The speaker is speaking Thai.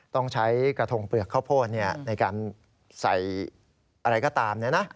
ต้องใช้กระทงเปลือกข้าวโพดในการใส่อะไรก็ตาม